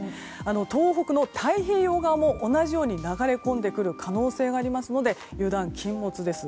東北の太平洋側も同じように流れ込んでくる可能性がありますので油断禁物です。